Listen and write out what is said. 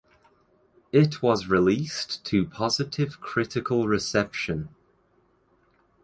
It was released to positive critical reception.